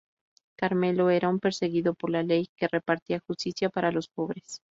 Carmelo era un perseguido por la ley que repartía justicia para los pobres.